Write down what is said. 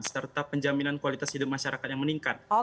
serta penjaminan kualitas hidup masyarakat yang meningkat